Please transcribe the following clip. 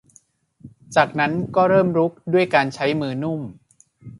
จากนั้นก็ให้เริ่มรุกด้วยการใช้มือนุ่ม